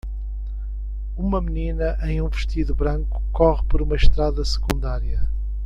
Uma menina em um vestido branco corre por uma estrada secundária.